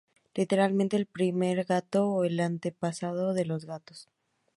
Literalmente 'el primer gato', o 'el antepasado de los gatos'.